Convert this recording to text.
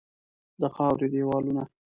د خاوري دیوالونه